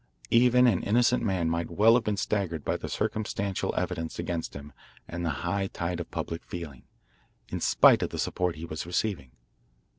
Even an innocent man might well have been staggered by the circumstantial evidence against him and the high tide of public feeling, in spite of the support that he was receiving.